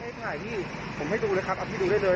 ไม่ได้พี่ถ่ายรูปไม่ได้ถ่ายพี่ดูได้เลย